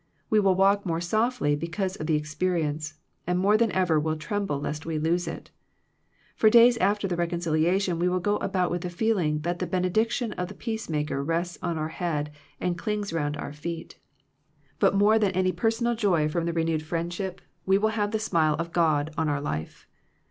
We will walk more spftly be cause of the experience, and more than ever will tremble lest we lose it. For days after the reconciliation, we will go about with the feeling that the benedic tion of the peace makers rests on our head and clings round our feet 185 Digitized by VjOOQIC THE RENEWING OF FRIENDSHIP But more than any personal joy from the renewed friendship, we will have the smile of God on our life.